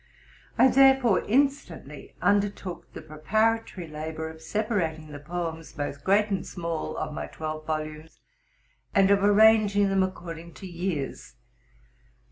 I therefore instantly undertook the preparatory labor of separating the poems, both great and small, of my twelve volumes, and of arranging them according to years.